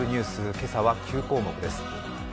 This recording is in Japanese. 今朝は９項目です。